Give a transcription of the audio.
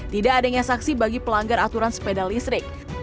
tidak adanya saksi bagi pelanggar aturan sepeda listrik